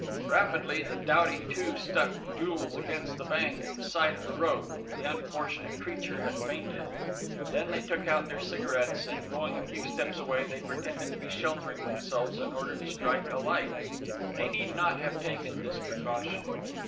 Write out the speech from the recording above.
Rapidly, the doughty two stuck Jules against the bank at the side of the road: the unfortunate creature had fainted. Then they took out their cigarettes, and going a few steps away, they pretended to be sheltering themselves in order to strike a light. They need not have taken this precaution.